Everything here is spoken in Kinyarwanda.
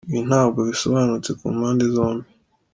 Ibi ntabwo bisobanutse ku mpande zombi.